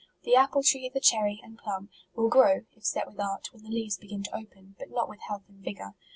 The apple tree, the cherry, and plumb, will grow, if set with art, when the leaves begin to open, but not with health and vigour.